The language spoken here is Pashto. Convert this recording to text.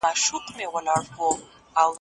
مڼه د بدن لپاره ضروري منرالونه لري.